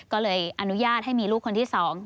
ก็เลยอนุญาตให้มีลูกคนที่๒